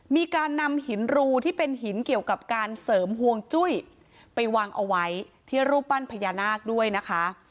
มีการนำหินรูที่เป็นหินเกี่ยวกับการเสริมห่วงจุ้ยไปวางเอาไว้ที่รูปปั้นพญานาคด้วยนะคะ